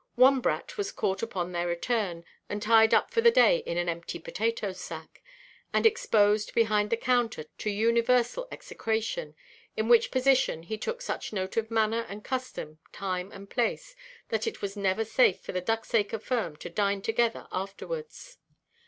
One brat was caught upon their return, and tied up for the day in an empty potato–sack, and exposed, behind the counter, to universal execration; in which position he took such note of manner and custom, time and place, that it was never safe for the Ducksacre firm to dine together afterwards.